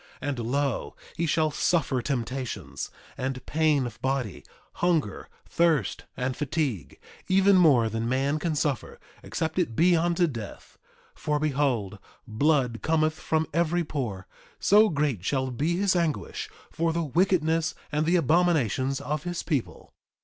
3:7 And lo, he shall suffer temptations, and pain of body, hunger, thirst, and fatigue, even more than man can suffer, except it be unto death; for behold, blood cometh from every pore, so great shall be his anguish for the wickedness and the abominations of his people.